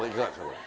これ。